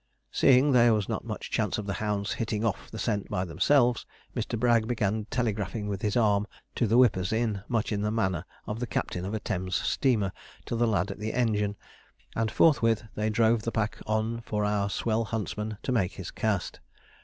Seeing there was not much chance of the hounds hitting off the scent by themselves, Mr. Bragg began telegraphing with his arm to the whippers in, much in the manner of the captain of a Thames steamer to the lad at the engine, and forthwith they drove the pack on for our swell huntsman to make his cast.